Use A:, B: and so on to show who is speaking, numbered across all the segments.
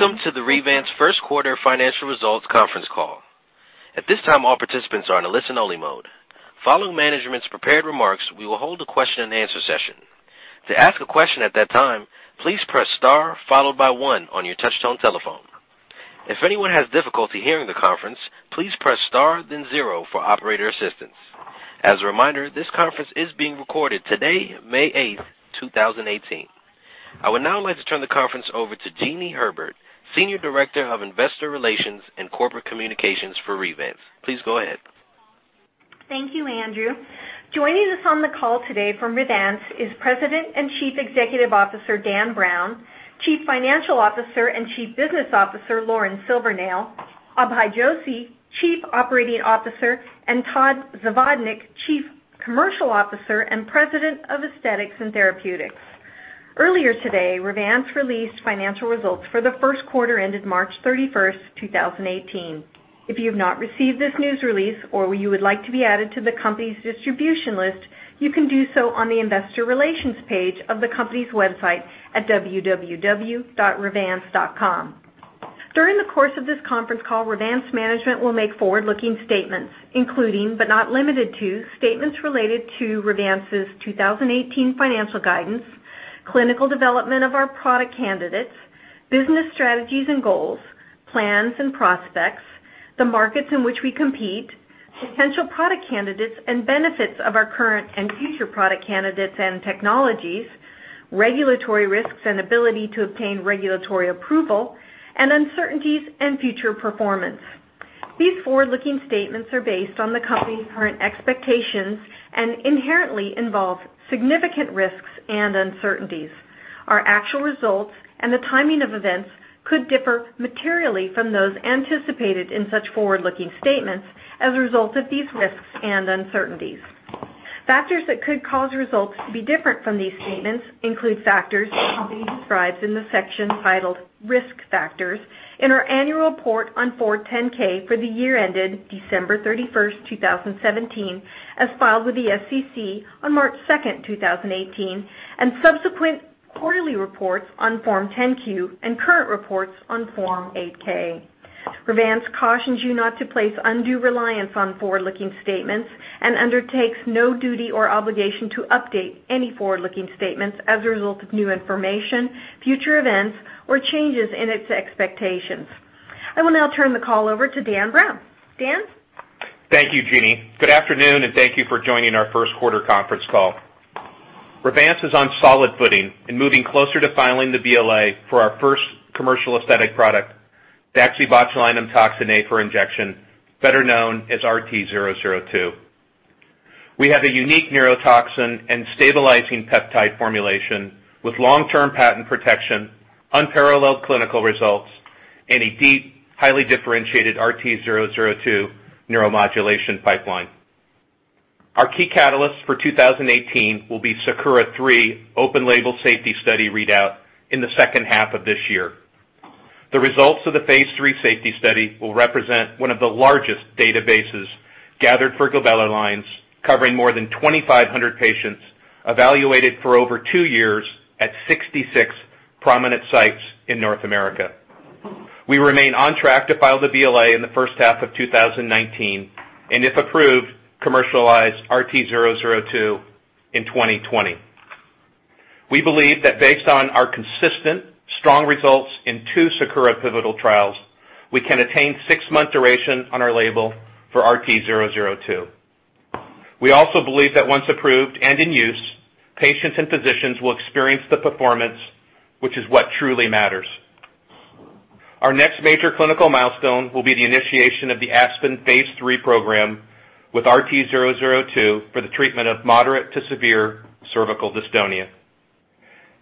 A: Welcome to the Revance first quarter financial results conference call. At this time, all participants are in a listen-only mode. Following management's prepared remarks, we will hold a question and answer session. To ask a question at that time, please press star followed by one on your touch-tone telephone. If anyone has difficulty hearing the conference, please press star then zero for operator assistance. As a reminder, this conference is being recorded today, May 8, 2018. I would now like to turn the conference over to Jeanie Herbert, Senior Director of Investor Relations and Corporate Communications for Revance. Please go ahead.
B: Thank you, Andrew. Joining us on the call today from Revance is President and Chief Executive Officer, Dan Browne, Chief Financial Officer and Chief Business Officer, Lauren Silvernail, Abhay Joshi, Chief Operating Officer, and Todd Zavodnick, Chief Commercial Officer and President of Aesthetics and Therapeutics. Earlier today, Revance released financial results for the first quarter ended March 31, 2018. If you have not received this news release or you would like to be added to the company's distribution list, you can do so on the investor relations page of the company's website at www.revance.com. During the course of this conference call, Revance management will make forward-looking statements, including, but not limited to, statements related to Revance's 2018 financial guidance, clinical development of our product candidates, business strategies and goals, plans and prospects, the markets in which we compete, potential product candidates and benefits of our current and future product candidates and technologies, regulatory risks and ability to obtain regulatory approval, and uncertainties in future performance. These forward-looking statements are based on the company's current expectations and inherently involve significant risks and uncertainties. Our actual results and the timing of events could differ materially from those anticipated in such forward-looking statements as a result of these risks and uncertainties. Factors that could cause results to be different from these statements include factors the company describes in the section titled Risk Factors in our annual report on Form 10-K for the year ended December 31, 2017, as filed with the SEC on March 2, 2018, and subsequent quarterly reports on Form 10-Q and current reports on Form 8-K. Revance cautions you not to place undue reliance on forward-looking statements and undertakes no duty or obligation to update any forward-looking statements as a result of new information, future events, or changes in its expectations. I will now turn the call over to Dan Browne. Dan?
C: Thank you, Jeanie. Good afternoon, and thank you for joining our first quarter conference call. Revance is on solid footing in moving closer to filing the BLA for our first commercial aesthetic product, daxibotulinumtoxinA for Injection, better known as RT002. We have a unique neurotoxin and stabilizing peptide formulation with long-term patent protection, unparalleled clinical results, and a deep, highly differentiated RT002 neuromodulation pipeline. Our key catalyst for 2018 will be SAKURA 3 open-label safety study readout in the second half of this year. The results of the phase III safety study will represent one of the largest databases gathered for glabellar lines, covering more than 2,500 patients evaluated for over two years at 66 prominent sites in North America. We remain on track to file the BLA in the first half of 2019, and if approved, commercialize RT002 in 2020. We believe that based on our consistent, strong results in two SAKURA pivotal trials, we can attain six-month duration on our label for RT002. We also believe that once approved and in use, patients and physicians will experience the performance, which is what truly matters. Our next major clinical milestone will be the initiation of the ASPEN phase III program with RT002 for the treatment of moderate to severe cervical dystonia.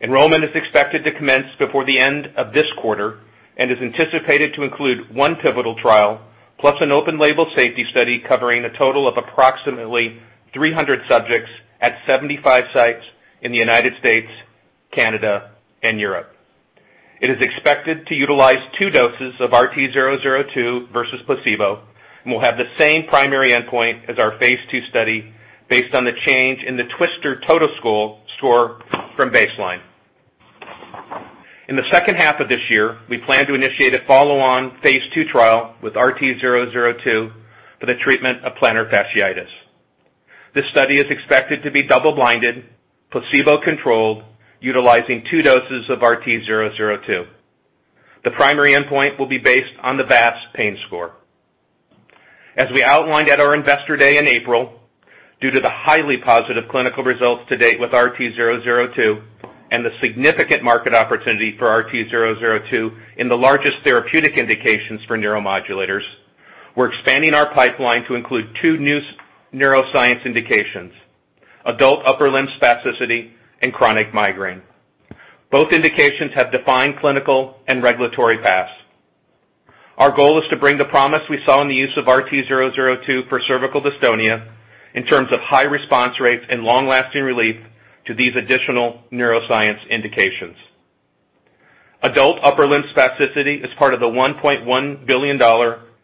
C: Enrollment is expected to commence before the end of this quarter and is anticipated to include one pivotal trial plus an open-label safety study covering a total of approximately 300 subjects at 75 sites in the U.S., Canada, and Europe. It is expected to utilize two doses of RT002 versus placebo and will have the same primary endpoint as our phase II study based on the change in the TWSTRS Total Score from baseline. In the second half of this year, we plan to initiate a follow-on phase II trial with RT002 for the treatment of plantar fasciitis. This study is expected to be double-blinded, placebo-controlled, utilizing two doses of RT002. The primary endpoint will be based on the VAS pain score. As we outlined at our investor day in April, due to the highly positive clinical results to date with RT002 and the significant market opportunity for RT002 in the largest therapeutic indications for neuromodulators, we're expanding our pipeline to include two new neuroscience indications: adult upper limb spasticity and chronic migraine. Both indications have defined clinical and regulatory paths. Our goal is to bring the promise we saw in the use of RT002 for cervical dystonia in terms of high response rates and long-lasting relief to these additional neuroscience indications. Adult upper limb spasticity is part of the $1.1 billion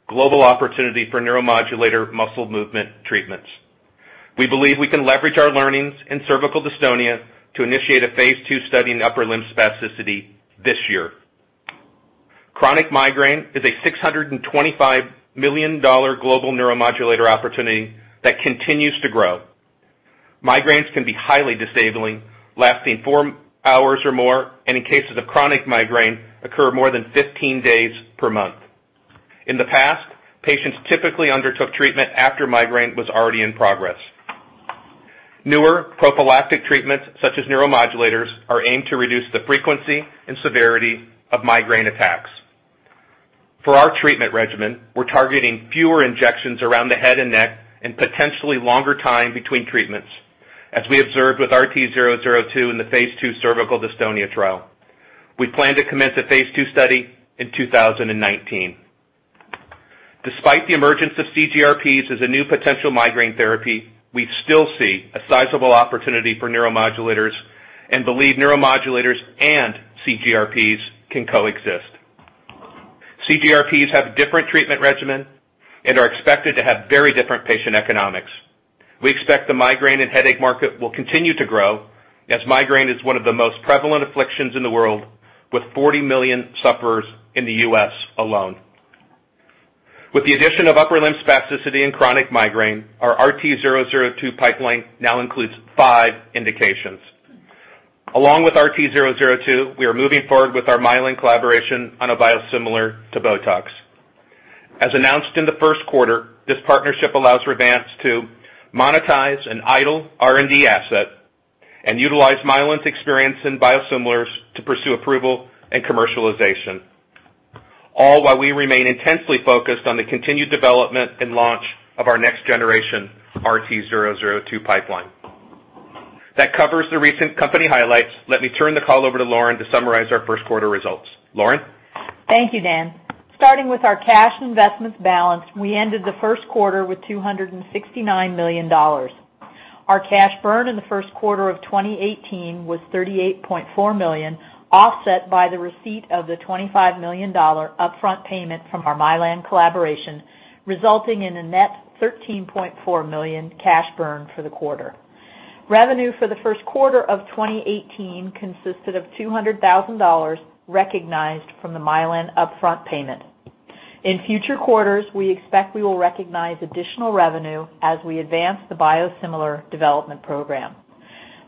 C: global opportunity for neuromodulator muscle movement treatments. We believe we can leverage our learnings in cervical dystonia to initiate a phase II study in upper limb spasticity this year. Chronic migraine is a $625 million global neuromodulator opportunity that continues to grow. Migraines can be highly disabling, lasting four hours or more, and in cases of chronic migraine, occur more than 15 days per month. In the past, patients typically undertook treatment after migraine was already in progress. Newer prophylactic treatments, such as neuromodulators, are aimed to reduce the frequency and severity of migraine attacks. For our treatment regimen, we're targeting fewer injections around the head and neck and potentially longer time between treatments, as we observed with RT002 in the phase II cervical dystonia trial. We plan to commence a phase II study in 2019. Despite the emergence of CGRPs as a new potential migraine therapy, we still see a sizable opportunity for neuromodulators and believe neuromodulators and CGRPs can coexist. CGRPs have a different treatment regimen and are expected to have very different patient economics. We expect the migraine and headache market will continue to grow, as migraine is one of the most prevalent afflictions in the world, with 40 million sufferers in the U.S. alone. With the addition of upper limb spasticity and chronic migraine, our RT002 pipeline now includes five indications. Along with RT002, we are moving forward with our Mylan collaboration on a biosimilar to BOTOX. As announced in the first quarter, this partnership allows Revance to monetize an idle R&D asset and utilize Mylan's experience in biosimilars to pursue approval and commercialization. All while we remain intensely focused on the continued development and launch of our next generation RT002 pipeline. That covers the recent company highlights. Let me turn the call over to Lauren to summarize our first quarter results. Lauren?
D: Thank you, Dan. Starting with our cash investments balance, we ended the first quarter with $269 million. Our cash burn in the first quarter of 2018 was $38.4 million, offset by the receipt of the $25 million upfront payment from our Mylan collaboration, resulting in a net $13.4 million cash burn for the quarter. Revenue for the first quarter of 2018 consisted of $200,000 recognized from the Mylan upfront payment. In future quarters, we expect we will recognize additional revenue as we advance the biosimilar development program.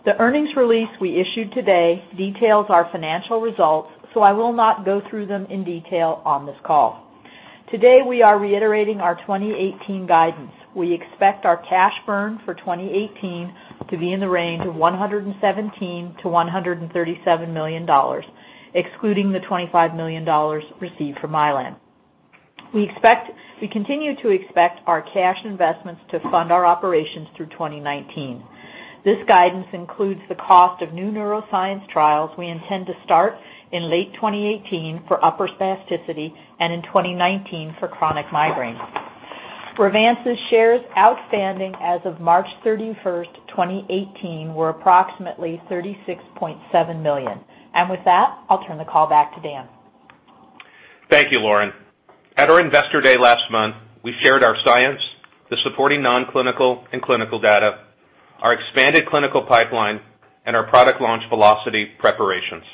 D: The earnings release we issued today details our financial results, so I will not go through them in detail on this call. Today, we are reiterating our 2018 guidance. We expect our cash burn for 2018 to be in the range of $117 million-$137 million, excluding the $25 million received from Mylan. We continue to expect our cash investments to fund our operations through 2019. This guidance includes the cost of new neuroscience trials we intend to start in late 2018 for upper spasticity and in 2019 for chronic migraine. Revance's shares outstanding as of March 31st, 2018, were approximately 36.7 million. With that, I'll turn the call back to Dan.
C: Thank you, Lauren. At our Investor Day last month, we shared our science, the supporting non-clinical and clinical data, our expanded clinical pipeline, and our product launch velocity preparations.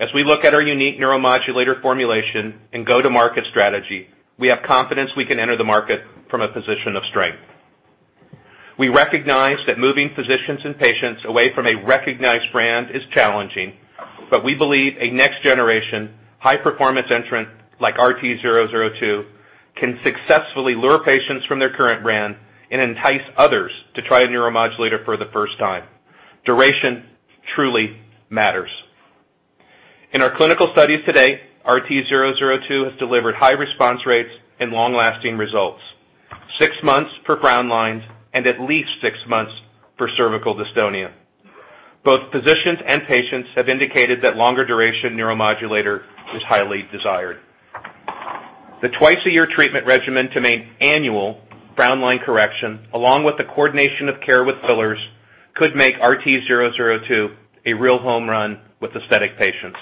C: As we look at our unique neuromodulator formulation and go-to-market strategy, we have confidence we can enter the market from a position of strength. We recognize that moving physicians and patients away from a recognized brand is challenging, but we believe a next-generation, high-performance entrant like RT002 can successfully lure patients from their current brand and entice others to try a neuromodulator for the first time. Duration truly matters. In our clinical studies today, RT002 has delivered high response rates and long-lasting results. Six months for frown lines and at least six months for cervical dystonia. Both physicians and patients have indicated that longer duration neuromodulator is highly desired. The twice-a-year treatment regimen to meet annual frown line correction, along with the coordination of care with fillers, could make RT002 a real home run with aesthetic patients.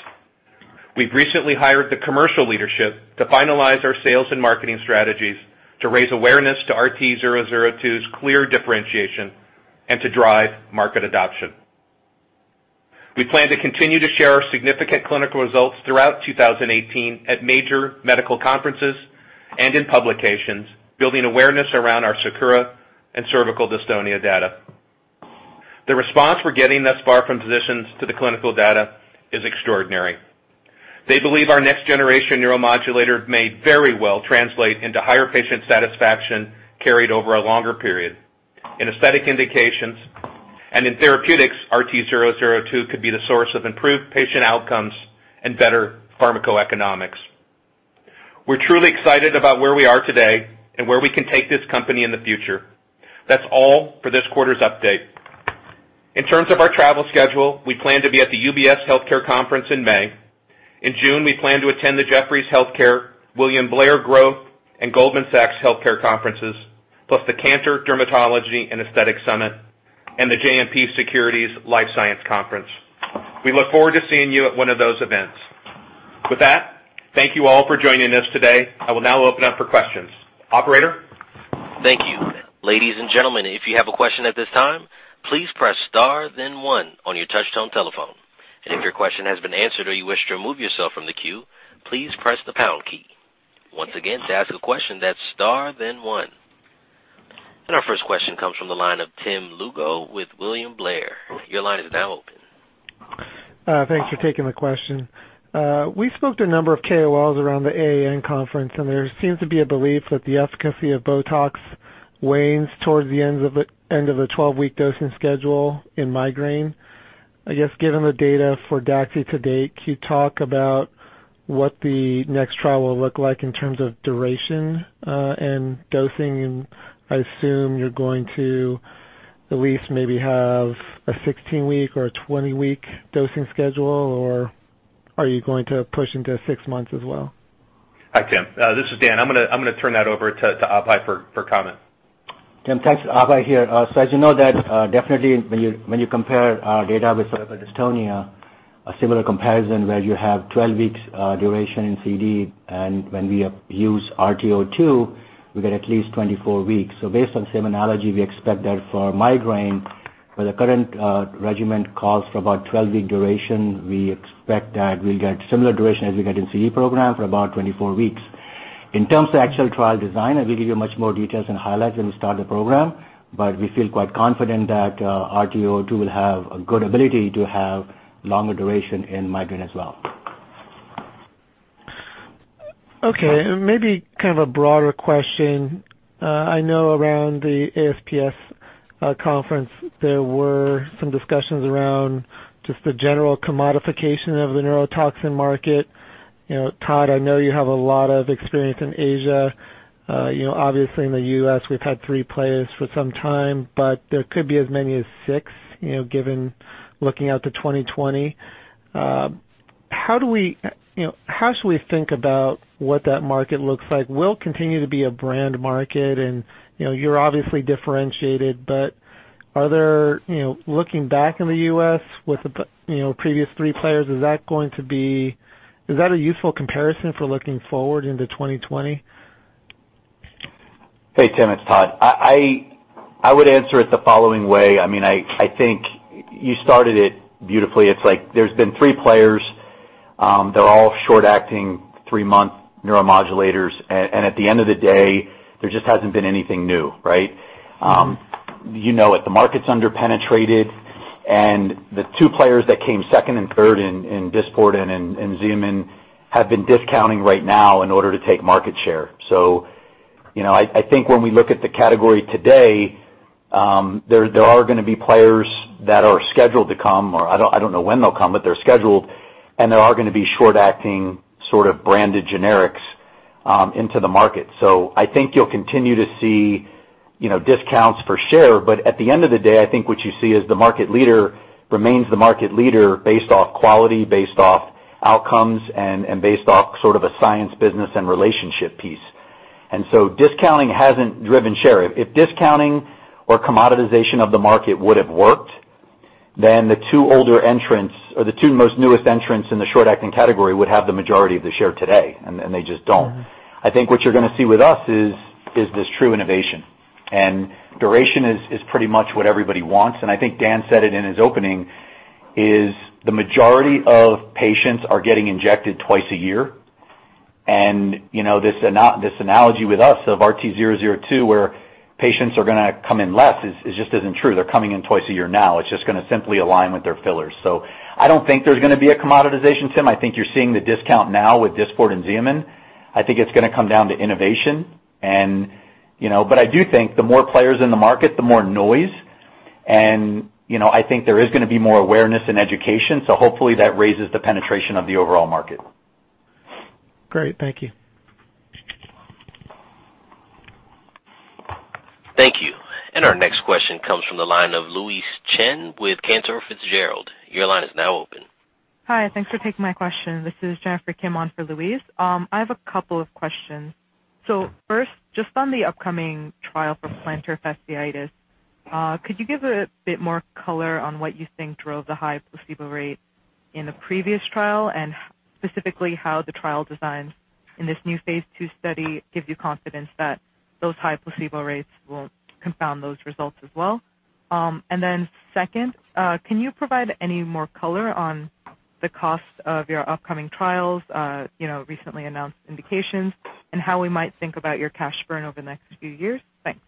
C: We've recently hired the commercial leadership to finalize our sales and marketing strategies to raise awareness to RT002's clear differentiation and to drive market adoption. We plan to continue to share our significant clinical results throughout 2018 at major medical conferences and in publications, building awareness around our SAKURA and cervical dystonia data. The response we're getting thus far from physicians to the clinical data is extraordinary. They believe our next-generation neuromodulator may very well translate into higher patient satisfaction carried over a longer period. In aesthetic indications and in therapeutics, RT002 could be the source of improved patient outcomes and better pharmacoeconomics. We're truly excited about where we are today and where we can take this company in the future. That's all for this quarter's update. In terms of our travel schedule, we plan to be at the UBS Healthcare Conference in May. In June, we plan to attend the Jefferies Healthcare, William Blair Growth, and Goldman Sachs Healthcare conferences, plus the Cantor Dermatology and Aesthetic Summit and the JMP Securities Life Science Conference. We look forward to seeing you at one of those events. With that, thank you all for joining us today. I will now open up for questions. Operator?
A: Thank you. Ladies and gentlemen, if you have a question at this time, please press star then one on your touch-tone telephone. If your question has been answered or you wish to remove yourself from the queue, please press the pound key. Once again, to ask a question, that's star then one. Our first question comes from the line of Tim Lugo with William Blair. Your line is now open.
E: Thanks for taking the question. We spoke to a number of KOLs around the AAN conference, there seems to be a belief that the efficacy of BOTOX wanes towards the end of the 12-week dosing schedule in migraine. I guess given the data for DAXI to date, can you talk about what the next trial will look like in terms of duration and dosing? I assume you're going to at least maybe have a 16-week or a 20-week dosing schedule, or are you going to push into six months as well?
C: Hi, Tim. This is Dan. I'm going to turn that over to Abhay for comment.
F: Tim, thanks. Abhay here. As you know that definitely when you compare our data with cervical dystonia, a similar comparison where you have 12 weeks duration in CD, when we use RT002, we get at least 24 weeks. Based on the same analogy, we expect that for migraine, where the current regimen calls for about 12-week duration, we expect that we'll get similar duration as we get in CD program for about 24 weeks. In terms of actual trial design, I will give you much more details and highlights when we start the program, we feel quite confident that RT002 will have a good ability to have longer duration in migraine as well.
E: Okay. Maybe kind of a broader question. I know around the ASPS conference, there were some discussions around just the general commodification of the neurotoxin market. Todd, I know you have a lot of experience in Asia. Obviously, in the U.S., we've had three players for some time, there could be as many as six, looking out to 2020. How should we think about what that market looks like? Will it continue to be a brand market? You're obviously differentiated, looking back in the U.S. with the previous three players, is that a useful comparison for looking forward into 2020?
G: Hey, Tim, it's Todd. I would answer it the following way. I think you started it beautifully. It's like there's been three players. They're all short-acting, three-month neuromodulators. At the end of the day, there just hasn't been anything new, right? You know it. The market's under-penetrated, and the two players that came second and third in Dysport and in Xeomin have been discounting right now in order to take market share. I think when we look at the category today, there are going to be players that are scheduled to come, or I don't know when they'll come, but they're scheduled, and there are going to be short-acting sort of branded generics into the market. I think you'll continue to see discounts for share, but at the end of the day, I think what you see is the market leader remains the market leader based off quality, based off outcomes, and based off sort of a science, business, and relationship piece. Discounting hasn't driven share. If discounting or commoditization of the market would've worked, then the two most newest entrants in the short-acting category would have the majority of the share today, and they just don't. I think what you're going to see with us is this true innovation. Duration is pretty much what everybody wants, and I think Dan said it in his opening, is the majority of patients are getting injected twice a year. This analogy with us of RT002 where patients are going to come in less just isn't true. They're coming in twice a year now. It's just going to simply align with their fillers. I don't think there's going to be a commoditization, Tim. I think you're seeing the discount now with Dysport and Xeomin. I think it's going to come down to innovation. I do think the more players in the market, the more noise. I think there is going to be more awareness and education, so hopefully, that raises the penetration of the overall market.
E: Great. Thank you.
A: Thank you. Our next question comes from the line of Louise Chen with Cantor Fitzgerald. Your line is now open.
H: Hi. Thanks for taking my question. This is Jennifer Kim on for Louise. I have a couple of questions. First, just on the upcoming trial for plantar fasciitis, could you give a bit more color on what you think drove the high placebo rate in the previous trial, and specifically how the trial designs in this new phase II study gives you confidence that those high placebo rates won't confound those results as well? Second, can you provide any more color on the cost of your upcoming trials, recently announced indications, and how we might think about your cash burn over the next few years? Thanks.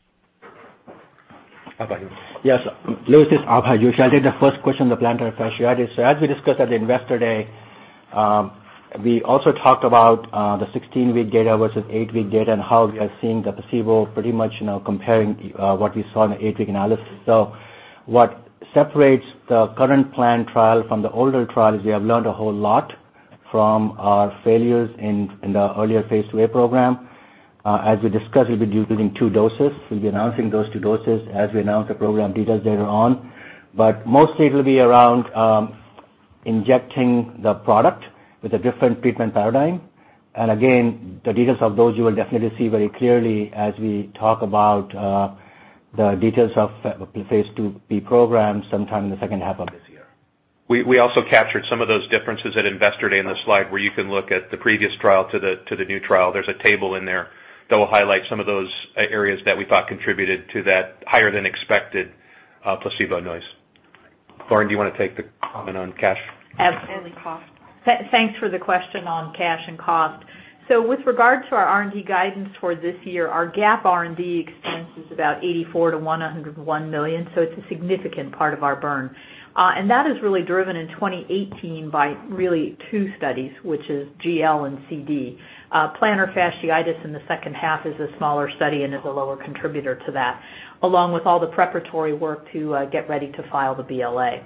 F: Abhay here. Yes, Louise, this Abhay. I'll take the first question on the plantar fasciitis. As we discussed at the Investor Day, we also talked about the 16-week data versus eight-week data and how we are seeing the placebo pretty much comparing what we saw in the eight-week analysis. What separates the current planned trial from the older trial is we have learned a whole lot from our failures in the earlier phase IIa program. As we discussed, we'll be using two doses. We'll be announcing those two doses as we announce the program details later on. Mostly, it'll be around injecting the product with a different treatment paradigm. Again, the details of those you will definitely see very clearly as we talk about the details of the phase IIb program sometime in the second half of this year.
C: We also captured some of those differences at Investor Day in the slide where you can look at the previous trial to the new trial. There's a table in there that will highlight some of those areas that we thought contributed to that higher than expected placebo noise. Lauren, do you want to take the comment on cash?
D: Absolutely.
H: Cost.
D: Thanks for the question on cash and cost. With regard to our R&D guidance for this year, our GAAP R&D expense is about $84 million-$101 million, so it is a significant part of our burn. That is really driven in 2018 by really two studies, which is GL and CD. Plantar fasciitis in the second half is a smaller study and is a lower contributor to that, along with all the preparatory work to get ready to file the BLA.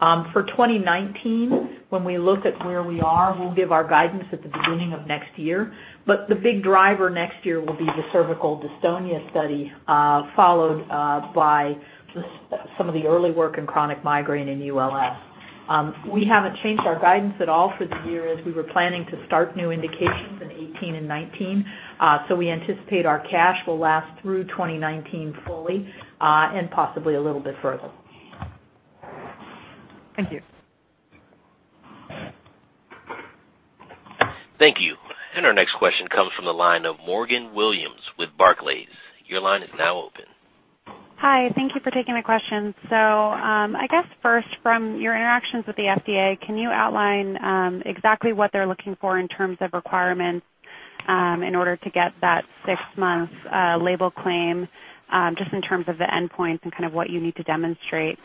D: For 2019, when we look at where we are, we will give our guidance at the beginning of next year. The big driver next year will be the cervical dystonia study, followed by some of the early work in chronic migraine and ULS. We haven't changed our guidance at all for the year as we were planning to start new indications in 2018 and 2019. We anticipate our cash will last through 2019 fully, and possibly a little bit further.
H: Thank you.
A: Thank you. Our next question comes from the line of Morgan Williams with Barclays. Your line is now open.
I: Hi. Thank you for taking my question. I guess first from your interactions with the FDA, can you outline exactly what they're looking for in terms of requirements in order to get that 6 months label claim, just in terms of the endpoints and kind of what you need to demonstrate?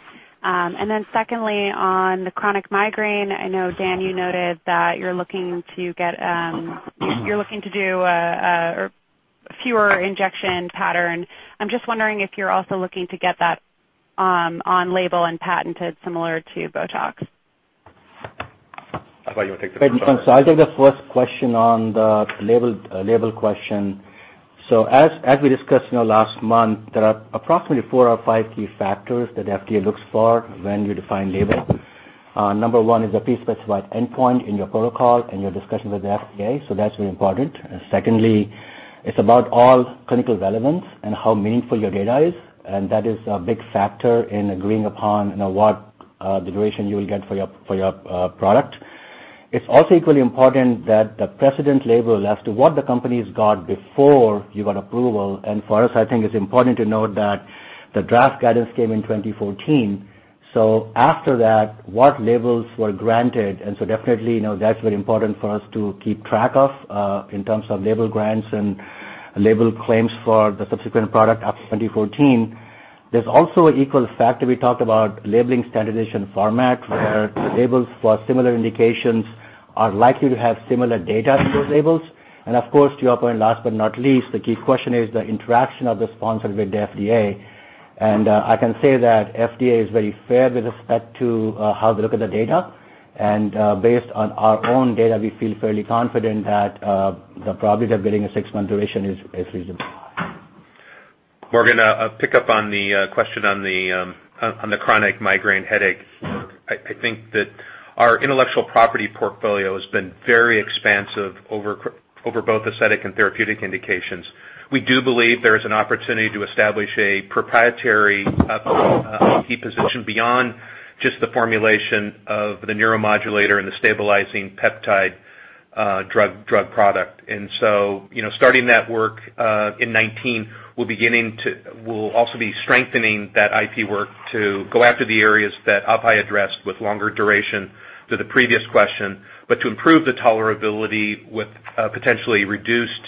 I: Secondly, on the chronic migraine, I know, Dan, you noted that you're looking to do a fewer injection pattern. I'm just wondering if you're also looking to get that on label and patented similar to BOTOX.
C: I thought you would take this one, Abhay.
F: I'll take the first question on the label question. As we discussed last month, there are approximately four or five key factors that FDA looks for when you define label. Number one is a pre-specified endpoint in your protocol and your discussions with the FDA. That's very important. Secondly, it's about all clinical relevance and how meaningful your data is, and that is a big factor in agreeing upon what duration you will get for your product. It's also equally important that the precedent label as to what the company's got before you got approval. For us, I think it's important to note that the draft guidance came in 2014. After that, what labels were granted? Definitely, that's very important for us to keep track of in terms of label grants and label claims for the subsequent product after 2014. There's also an equal factor we talked about, labeling standardization format, where labels for similar indications are likely to have similar data to those labels. Of course, to your point, last but not least, the key question is the interaction of the sponsor with the FDA. I can say that FDA is very fair with respect to how they look at the data. Based on our own data, we feel fairly confident that the probability of getting a six-month duration is reasonable.
C: Morgan, I'll pick up on the question on the chronic migraine headache. I think that our intellectual property portfolio has been very expansive over both aesthetic and therapeutic indications. We do believe there is an opportunity to establish a proprietary IP position beyond just the formulation of the neuromodulator and the stabilizing peptide drug product. Starting that work, in 2019, we'll also be strengthening that IP work to go after the areas that Abhay addressed with longer duration to the previous question. To improve the tolerability with a potentially reduced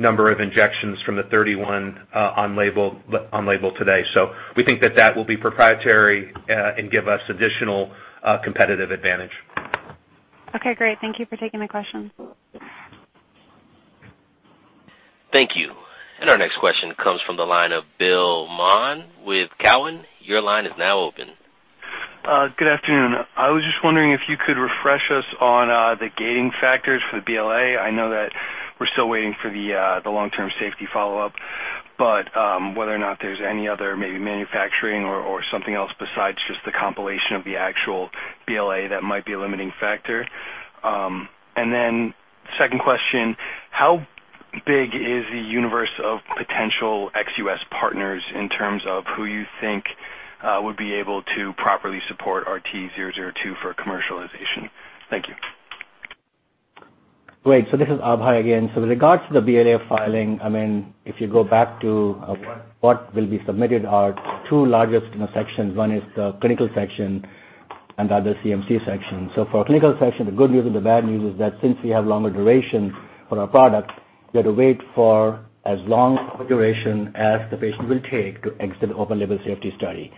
C: number of injections from the 31 on label today. We think that that will be proprietary, and give us additional competitive advantage.
I: Okay, great. Thank you for taking my question.
A: Thank you. Our next question comes from the line of Ken Cacciatore with Cowen. Your line is now open.
J: Good afternoon. I was just wondering if you could refresh us on the gating factors for the BLA. I know that we're still waiting for the long-term safety follow-up, but whether or not there's any other maybe manufacturing or something else besides just the compilation of the actual BLA that might be a limiting factor. Second question, how big is the universe of potential ex-U.S. partners in terms of who you think would be able to properly support RT002 for commercialization? Thank you.
F: Great. This is Abhay again. With regards to the BLA filing, if you go back to what will be submitted are two largest sections. One is the clinical section and the other CMC section. For clinical section, the good news and the bad news is that since we have longer duration for our product, we have to wait for as long duration as the patient will take to exit open label safety study.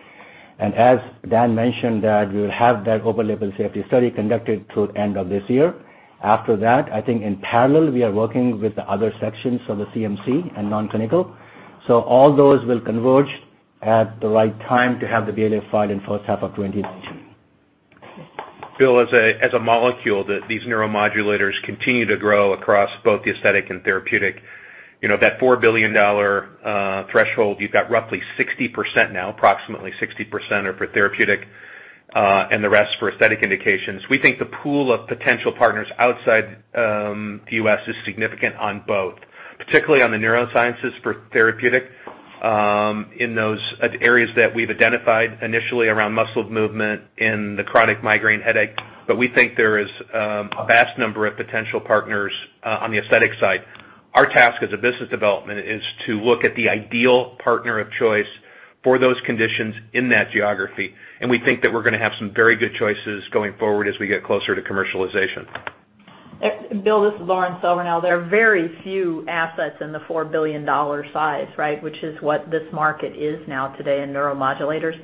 F: As Dan mentioned, we will have that open label safety study conducted through end of this year. After that, I think in parallel, we are working with the other sections, the CMC and non-clinical. All those will converge at the right time to have the BLA filed in first half of 2019.
C: Bill, as a molecule, these neuromodulators continue to grow across both the aesthetic and therapeutic. That $4 billion threshold, you've got roughly 60% now, approximately 60% are for therapeutic. The rest for aesthetic indications. We think the pool of potential partners outside the U.S. is significant on both, particularly on the neurosciences for therapeutic in those areas that we've identified initially around muscle movement in the chronic migraine. We think there is a vast number of potential partners on the aesthetic side. Our task as a business development is to look at the ideal partner of choice for those conditions in that geography. We think that we're going to have some very good choices going forward as we get closer to commercialization.
D: Bill, this is Lauren Silvernail. There are very few assets in the $4 billion size, which is what this market is now today in neuromodulators.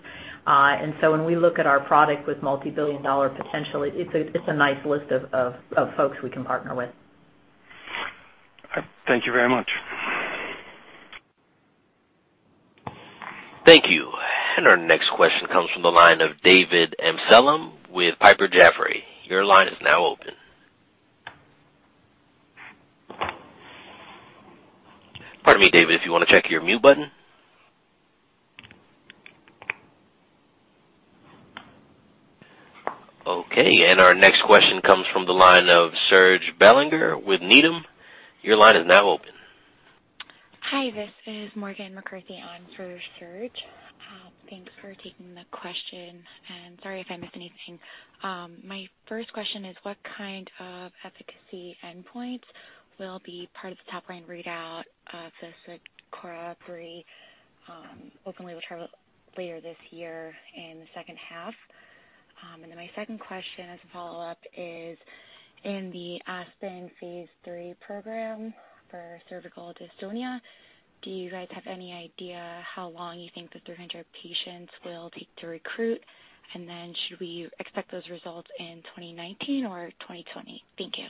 D: When we look at our product with multi-billion dollar potential, it's a nice list of folks we can partner with.
J: Thank you very much.
A: Thank you. Our next question comes from the line of David Amsellem with Piper Jaffray. Your line is now open. Pardon me, David, if you want to check your mute button. Our next question comes from the line of Serge Belanger with Needham. Your line is now open.
K: Hi, this is Morgan McCarthy on for Serge. Thanks for taking the question. Sorry if I miss anything. My first question is, what kind of efficacy endpoints will be part of the top line readout of the SAKURA 3, hopefully we'll try later this year in the second half. My second question as a follow-up is, in the ASPEN phase III program for cervical dystonia, do you guys have any idea how long you think the 300 patients will take to recruit? Should we expect those results in 2019 or 2020? Thank you.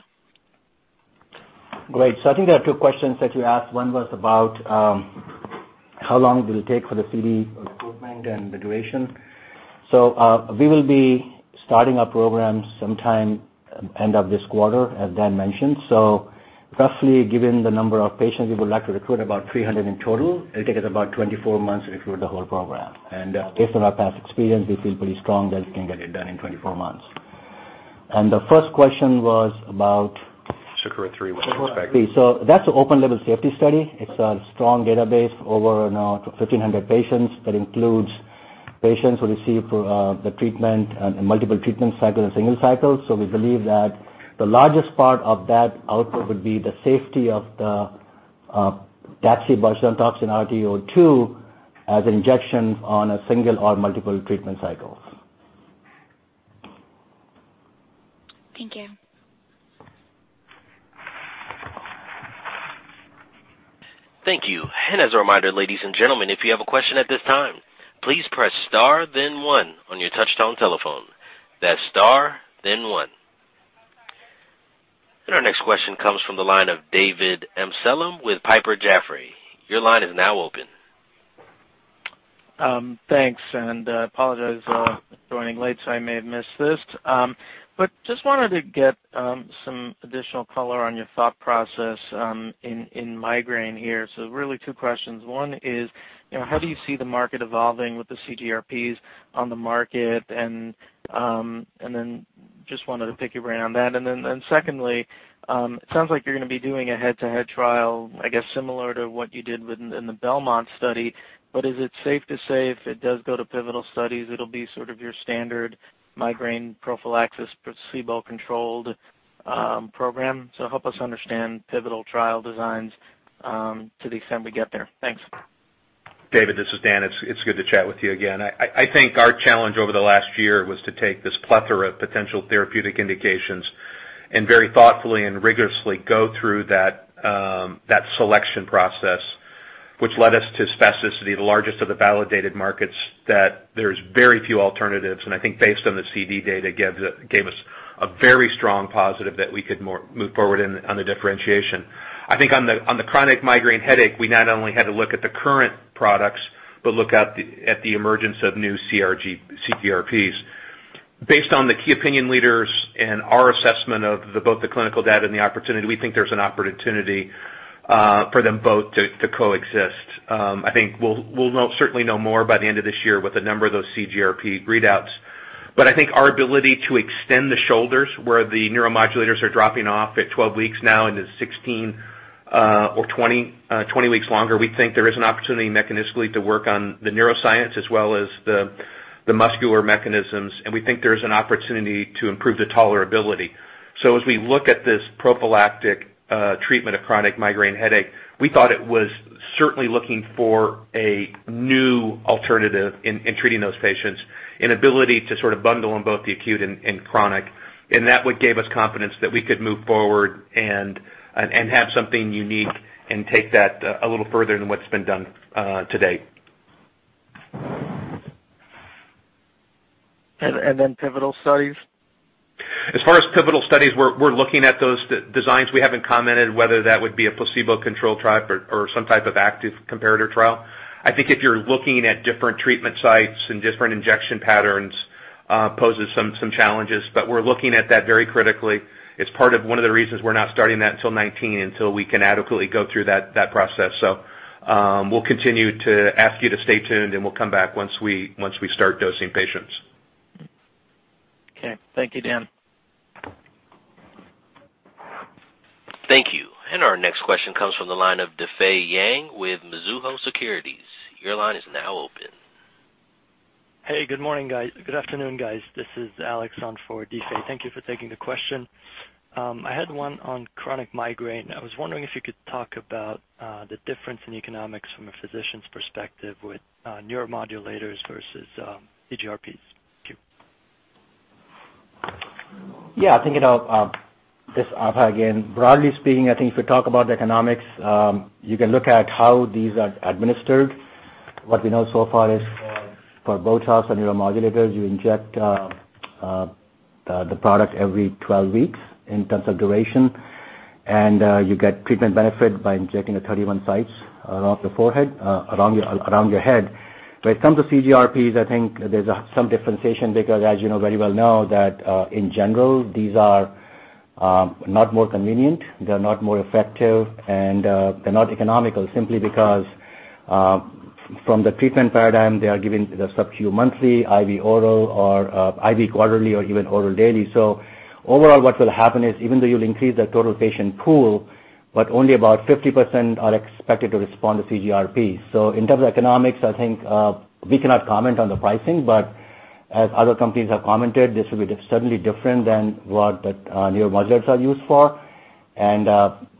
F: Great. I think there are two questions that you asked. One was about how long it will take for the CD recruitment and the duration. We will be starting our program sometime end of this quarter, as Dan mentioned. Roughly, given the number of patients we would like to recruit, about 300 in total, it will take us about 24 months to recruit the whole program. Based on our past experience, we feel pretty strong that we can get it done in 24 months.
C: SAKURA 3, what to expect
F: SAKURA 3. That's an open-label safety study. It's a strong database, over now 1,500 patients. That includes patients who receive the treatment and multiple treatment cycles and single cycles. We believe that the largest part of that output would be the safety of the DaxibotulinumtoxinA RT002 as injection on a single or multiple treatment cycles.
K: Thank you.
A: Thank you. As a reminder, ladies and gentlemen, if you have a question at this time, please press star then one on your touchtone telephone. That's star then one. Our next question comes from the line of David Amsellem with Piper Jaffray. Your line is now open.
L: Thanks. Apologize for joining late, so I may have missed this. Just wanted to get some additional color on your thought process in migraine here. Really two questions. One is, how do you see the market evolving with the CGRPs on the market? Just wanted to pick your brain on that. Secondly, it sounds like you're going to be doing a head-to-head trial, I guess, similar to what you did in the BELMONT study. Is it safe to say if it does go to pivotal studies, it'll be sort of your standard migraine prophylaxis, placebo-controlled program? Help us understand pivotal trial designs to the extent we get there. Thanks.
C: David, this is Dan. It's good to chat with you again. I think our challenge over the last year was to take this plethora of potential therapeutic indications and very thoughtfully and rigorously go through that selection process, which led us to spasticity, the largest of the validated markets, that there's very few alternatives. Based on the CD data, gave us a very strong positive that we could move forward on the differentiation. I think on the chronic migraine headache, we not only had to look at the current products, but look at the emergence of new CGRPs. Based on the KOLs and our assessment of both the clinical data and the opportunity, we think there's an opportunity for them both to coexist. I think we'll certainly know more by the end of this year with a number of those CGRP readouts. I think our ability to extend the shoulders where the neuromodulators are dropping off at 12 weeks now into 16 or 20 weeks longer, we think there is an opportunity mechanistically to work on the neuroscience as well as the muscular mechanisms, and we think there's an opportunity to improve the tolerability. As we look at this prophylactic treatment of chronic migraine headache, we thought it was certainly looking for a new alternative in treating those patients, an ability to sort of bundle on both the acute and chronic. That what gave us confidence that we could move forward and have something unique and take that a little further than what's been done to date.
L: Pivotal studies?
C: As far as pivotal studies, we're looking at those designs. We haven't commented whether that would be a placebo-controlled trial or some type of active comparator trial. I think if you're looking at different treatment sites and different injection patterns poses some challenges. We're looking at that very critically. It's part of one of the reasons we're not starting that until 2019, until we can adequately go through that process. We'll continue to ask you to stay tuned, and we'll come back once we start dosing patients.
L: Okay. Thank you, Dan.
A: Thank you. Our next question comes from the line of Difei Yang with Mizuho Securities. Your line is now open.
M: Hey, good afternoon, guys. This is Alex on for Difei. Thank you for taking the question. I had one on chronic migraine. I was wondering if you could talk about the difference in economics from a physician's perspective with neuromodulators versus CGRPs. Thank you.
F: Yeah. This is Abhay again. Broadly speaking, I think if you talk about the economics, you can look at how these are administered. What we know so far is for BOTOX and neuromodulators, you inject the product every 12 weeks in terms of duration, and you get treatment benefit by injecting at 31 sites around the forehead, around your head. When it comes to CGRPs, I think there's some differentiation because as you very well know that in general, these are not more convenient, they're not more effective, and they're not economical simply because from the treatment paradigm, they're given the subcu monthly, IV oral, or IV quarterly, or even oral daily. Overall, what will happen is even though you'll increase the total patient pool, but only about 50% are expected to respond to CGRPs. In terms of economics, I think, we cannot comment on the pricing, but as other companies have commented, this will be certainly different than what neuromodulators are used for.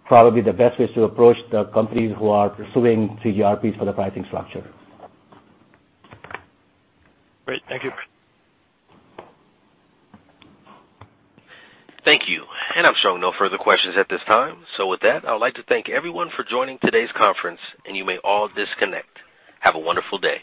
F: Probably the best way is to approach the companies who are pursuing CGRPs for the pricing structure.
M: Great. Thank you.
A: Thank you. I'm showing no further questions at this time. With that, I would like to thank everyone for joining today's conference, and you may all disconnect. Have a wonderful day.